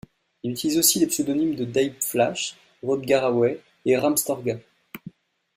Il utilise aussi les pseudonymes de Daïb Flash, Rod Garraway, et Ram Storga.